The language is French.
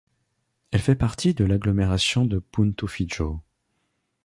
Elle fait partie de l'agglomération de Punto Fijo.